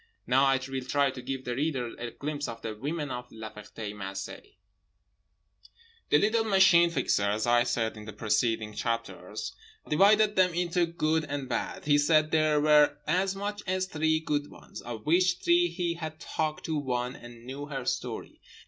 Now I will try to give the reader a glimpse of the Women of La Ferté Macé. The little Machine Fixer as I said in the preceding chapter, divided them into Good and Bad. He said there were as much as three Good ones, of which three he had talked to one and knew her story.